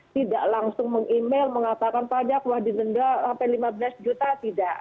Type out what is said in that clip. tidak langsung mengemal mengatakan pajak wah didenda sampai lima belas juta tidak